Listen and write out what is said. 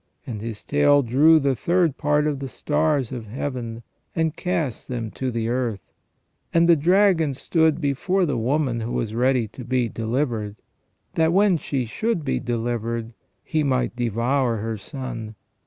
And his tail drew the third part of the stars of Heaven, and cast them to the earth : and the dragon stood before the woman who was ready to be delivered : that, when she should be delivered, he might devour her Son.